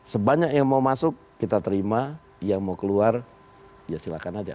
sebanyak yang mau masuk kita terima yang mau keluar ya silakan aja